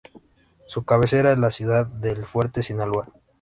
Su cabecera es la ciudad de El Fuerte, Sinaloa.